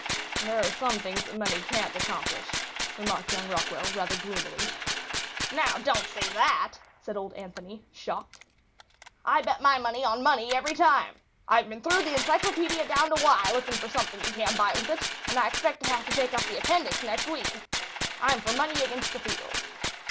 "There are some things that money can't accomplish," remarked young Rockwall, rather gloomily. "Now, don't say that," said old Anthony, shocked. "I bet my money on money every time. I've been through the encyclopaedia down to Y looking for something you can't buy with it; and I expect to have to take up the appendix next week. I'm for money against the field.